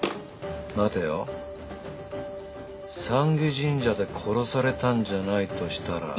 神社で殺されたんじゃないとしたら。